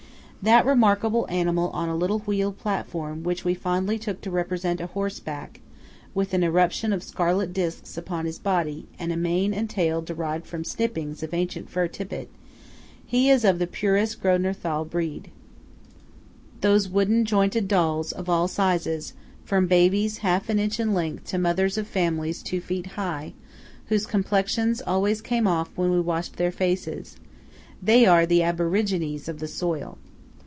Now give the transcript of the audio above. That remarkable animal on a little wheeled platform which we fondly took to represent a horse–black, with an eruption of scarlet discs upon his body, and a mane and tail derived from snippings of ancient fur tippet–he is of the purest Grödner Thal breed. Those wooden jointed dolls of all sizes, from babies half an inch in length to mothers of families two feet high, whose complexions always came off when we washed their faces–they are the Aborigines of the soil.